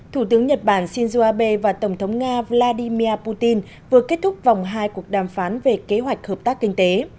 thủ tướng nhật bản shinzo abe và tổng thống nga vladimir putin vừa kết thúc vòng hai cuộc đàm phán về kế hoạch hợp tác kinh tế